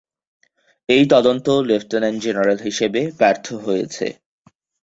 এই তদন্ত lieutenant general হিসাবে ব্যর্থ হয়েছে।